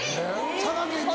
佐賀県に？